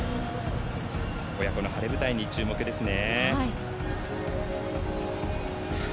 親子の晴れ舞台に注目ですね。